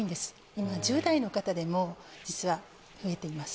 今１０代の方でも実は増えています